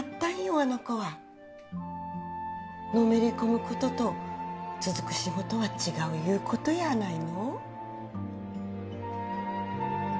あの子はのめり込むことと続く仕事は違ういうことやないの？